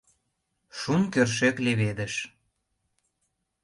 Шун кӧршӧк леведыш.